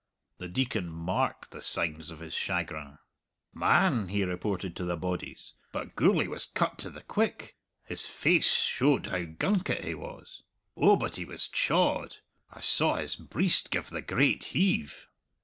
The Deacon marked the signs of his chagrin. "Man!" he reported to the bodies, "but Gourlay was cut to the quick. His face showed how gunkit he was. Oh, but he was chawed. I saw his breist give the great heave."